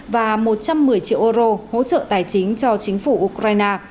và một trăm một mươi triệu euro hỗ trợ tài chính cho chính phủ ukraine